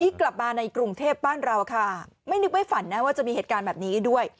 กลับมาในกรุงเทพบ้านเราค่ะไม่นึกไม่ฝันนะว่าจะมีเหตุการณ์แบบนี้ด้วย